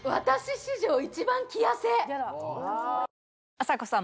あさこさん